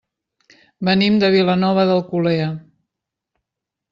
Venim de Vilanova d'Alcolea.